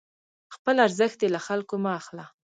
خپل ارزښت دې له خلکو مه اخله،